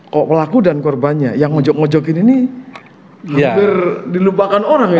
kok pelaku dan korbannya yang ngojok ngojokin ini hampir dilupakan orang ya